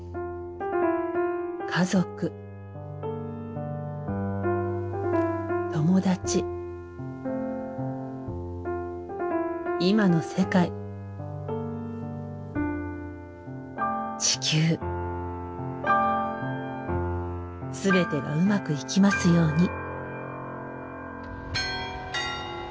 家族友達今の世界地球全てがうまくいきますように。